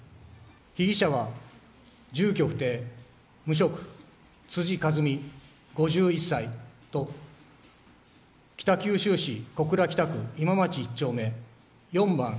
被疑者は住居不定・無職辻和美、５１歳と北九州市小倉北区。